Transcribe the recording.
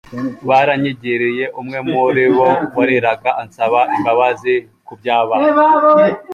Baranyegereye, umwe muri bo wariraga ansaba imbabazi ku byabaye.